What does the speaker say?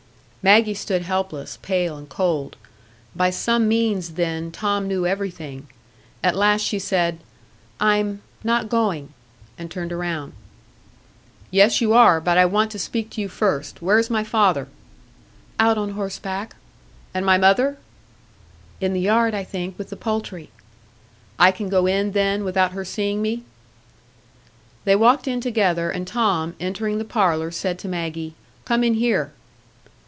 Maggie stood helpless, pale and cold. By some means, then, Tom knew everything. At last she said, "I'm not going," and turned round. "Yes, you are; but I want to speak to you first. Where is my father?" "Out on horseback." "And my mother?" "In the yard, I think, with the poultry." "I can go in, then, without her seeing me?" They walked in together, and Tom, entering the parlour, said to Maggie, "Come in here."